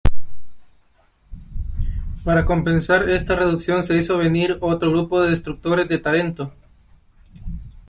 Para compensar esta reducción, se hizo venir a otro grupo de destructores de Tarento.